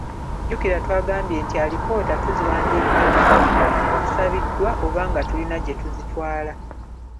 Jjukira twagambye nti alipoota tuziwandiika nga zisabiddwa oba nga tulina gye tuzitwala.